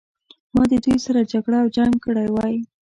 ما د دوی سره جګړه او جنګ کړی وای.